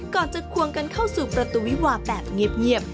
ก่อนจะควงกันเข้าสู่ประตูวิวาแบบเงียบ